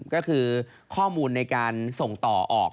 ก็คือข้อมูลในการส่งต่อออก